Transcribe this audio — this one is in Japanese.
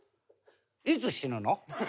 「いつ死ぬの？」。